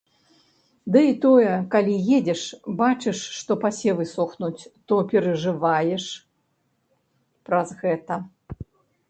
Ды і тое, калі едзеш, бачыш, што пасевы сохнуць, то перажываеш праз гэта.